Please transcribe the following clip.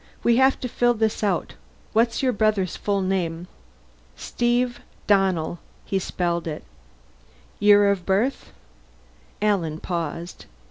"We have to fill this out. What's your brother's full name?" "Steve Donnell." He spelled it. "Year of birth?" Alan paused.